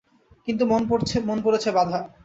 কিন্তু মন পড়েছে বাঁধা।